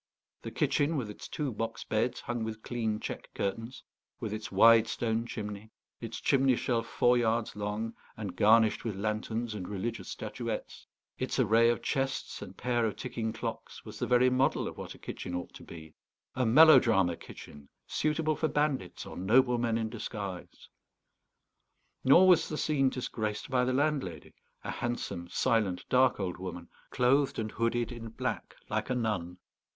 The kitchen, with its two box beds hung with clean check curtains, with its wide stone chimney, its chimney shelf four yards long and garnished with lanterns and religious statuettes, its array of chests and pair of ticking clocks, was the very model of what a kitchen ought to be; a melodrama kitchen, suitable for bandits or noblemen in disguise. Nor was the scene disgraced by the landlady, a handsome, silent, dark old woman, clothed and hooded in black like a nun.